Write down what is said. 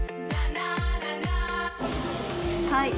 はい。